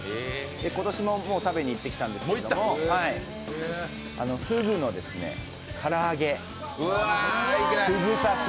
今年ももう食べに行ってきたんですけど、ふぐの唐揚げ、ふぐ刺し